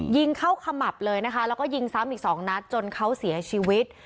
ยิงเข้าขมับเลยนะคะแล้วก็ยิงซ้ำอีกสองนัดจนเขาเสียชีวิต